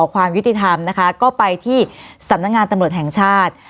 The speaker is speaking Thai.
ความยุติธรรมนะคะก็ไปที่สำนักงานตำรวจแห่งชาติ